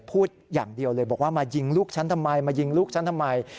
พูดอย่างเดียวเลยบอกว่ามายิงลูกฉันทำไมมายิงลูกฉันทำไม